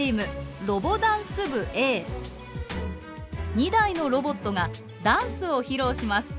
２台のロボットがダンスを披露します。